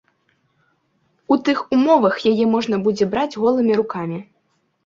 У тых умовах яе можна будзе браць голымі рукамі.